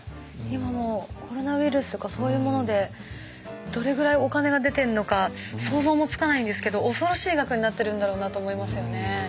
今もうコロナウイルスとかそういうものでどれぐらいお金が出てるのか想像もつかないんですけど恐ろしい額になってるんだろうなと思いますよね。